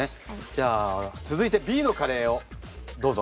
じゃあ続いてＢのカレーをどうぞ。